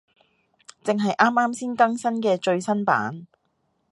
正係啱啱先更新嘅最新版